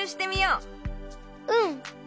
うん。